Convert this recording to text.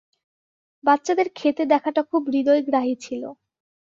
বাচ্চাদের খেতে দেখাটা খুব হৃদয়গ্রাহী ছিল।